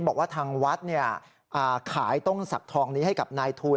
บอกว่าทางวัดเนี่ยอ่าขายต้นสักทองนี้ให้กับนายทูล